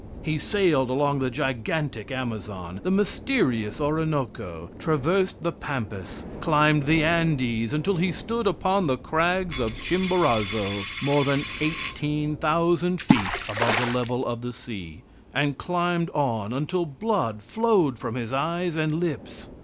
He sailed along the gigantic Amazon the mysterious Orinoco traversed the Pampas climbed the Andes until he stood upon the crags of Chimborazo, more than eighteen thousand feet above the level of the sea, and climbed on until blood flowed from his eyes and lips.